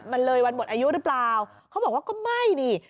มันเลยวันหมดอายุหรือเปล่าเขาบอกว่าก็ไม่นี่